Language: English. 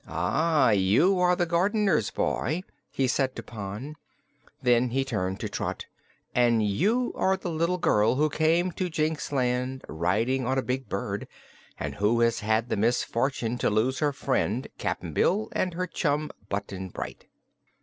"Ah, you are the gardener's boy," he said to Pon. Then he turned to Trot. "And you are the little girl who came to Jinxland riding on a big bird, and who has had the misfortune to lose her friend, Cap'n Bill, and her chum, Button Bright."